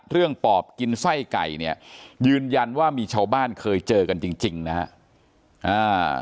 ปอบกินไส้ไก่เนี่ยยืนยันว่ามีชาวบ้านเคยเจอกันจริงจริงนะฮะ